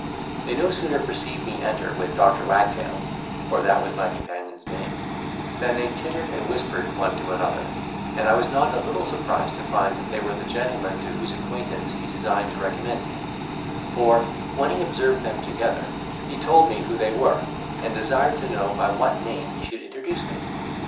They no sooner perceived me enter with Dr. Wagtail (for that was my companion's name) than they tittered and whispered one to another, and I was not a little surprised to find that they were the gentlemen to whose acquaintance he designed to recommend me; for, when he observed them together, he told me who they were, and desired to know by what name he should introduce me.